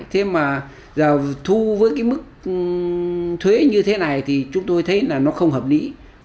thế mà giờ thu với cái mức thuế như thế này thì chúng tôi thấy là nó không hợp lý